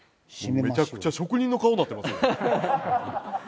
めちゃくちゃ職人の顔なってますよ。